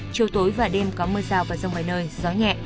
chiều tối và đêm có mưa rào và rông vài nơi gió nhẹ